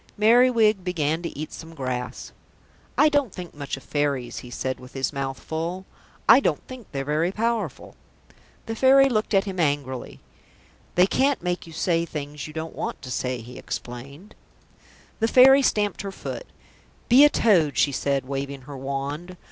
Merriwig began to eat some grass. "I don't think much of Fairies," he said with his mouth full. "I don't think they're very powerful." The Fairy looked at him angrily. "They can't make you say things you don't want to say," he explained. The Fairy stamped her foot. "Be a toad," she said, waving her wand.